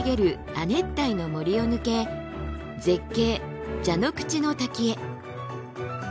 亜熱帯の森を抜け絶景蛇之口滝へ。